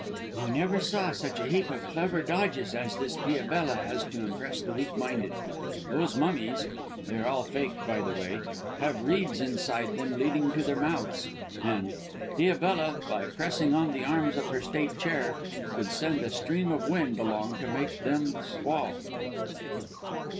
"You never saw such a heap of clever dodges as this Diabella has to impress the weak minded. Those mummies they are all faked, by the way have reeds inside them leading to their mouths, and Diabella, by pressing on the arms of her state chair, could send a stream of wind along to make them squall."